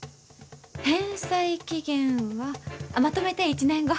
返済期限はまとめて１年後。